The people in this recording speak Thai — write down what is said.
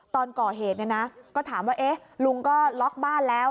ตอนก่อเหตุเนี่ยนะก็ถามว่าลุงก็ล็อกบ้านแล้ว